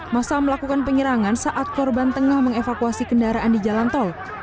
masa melakukan penyerangan saat korban tengah mengevakuasi kendaraan di jalan tol